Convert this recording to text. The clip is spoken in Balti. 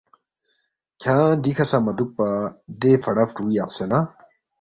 کھیانگ دیکھہ سہ مہ دُوکپا دے فڑا فرُو یقسے نہ،